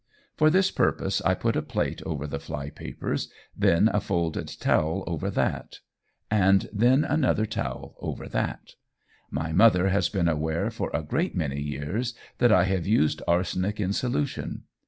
For this purpose I put a plate over the flypapers, then a folded towel over that, and then another towel over that. My mother has been aware for a great many years that I have used arsenic in solution.